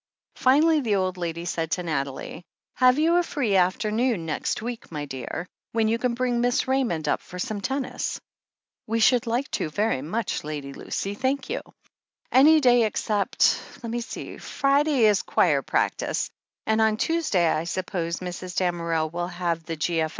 Finally the old lady said to Nathalie : "Have you a free afternoon next week, my dear, when you can bring Miss Raymond up for some tennis ?" "We should like to very much. Lady Lucy, thank you. Any day except — ^let me see, Friday is choir practice, and on Tuesday I suppose Mrs. Damerel will have the G.F.